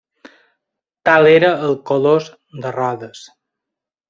Tal era el Colós de Rodes.